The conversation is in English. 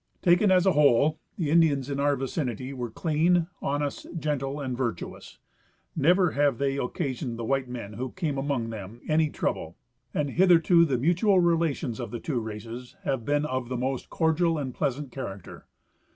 Taken as a whole, the Indians in our vicinity were clean, honest, gentle and virtuous. Never have they occasioned the white men who came among them any trouble, and hitherto the mutual relations of the two races have been of the most cordial and pleasant character.